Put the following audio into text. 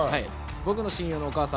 僕の親友のお母さん。